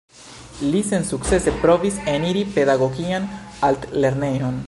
Li sensukcese provis eniri Pedagogian Altlernejon.